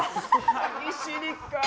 歯ぎしりか。